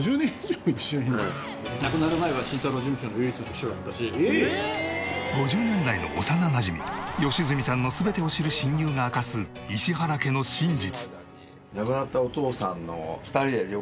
亡くなる前は５０年来の幼なじみ良純さんの全てを知る親友が明かす石原家の真実。